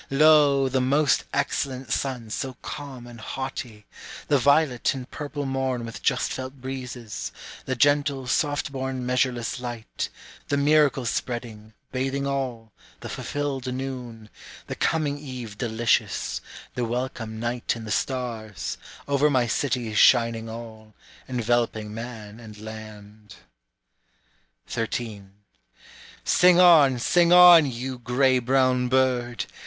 Lo, the most excellent sun so calm and haughty, The violet and purple morn with just felt breezes, The gentle soft born measureless light, The miracle spreading, bathing all, the fulfilled noon, The coming eve delicious, the welcome night and the stars, Over my cities shining all, enveloping man and land. 13. Sing on, sing on, you gray brown bird!